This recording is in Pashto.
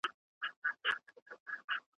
هغه غواړي چي خپله مقاله په مجله کي چاپ کړي.